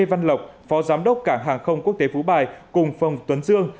lê văn lộc phó giám đốc cảng hàng không quốc tế phú bài cùng phong tuấn dương